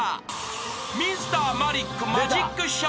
［Ｍｒ．マリックマジックショー］